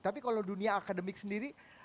tapi kalau dunia akademik sendiri